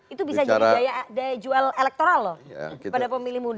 itu bisa jadi daya jual elektoral loh pada pemilih muda